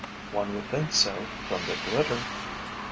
One would think so, from the glitter.